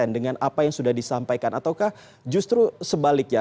dengan apa yang sudah disampaikan ataukah justru sebaliknya